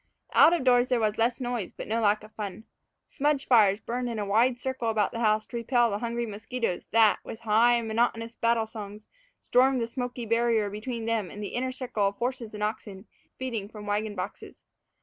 Out of doors there was less noise, but no lack of fun. Smudge fires burned in a wide circle about the house to repel the hungry mosquitos that, with high, monotonous battle songs, stormed the smoky barrier between them and the inner circle of horses and oxen feeding from wagon boxes.